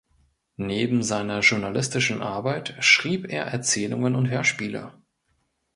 Neben seiner journalistischen Arbeit schrieb er Erzählungen und Hörspiele.